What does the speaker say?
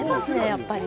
やっぱり。